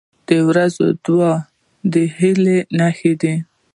• د ورځې دعا د هیلې نښه ده.